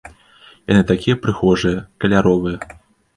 Яны такія прыгожыя, каляровыя.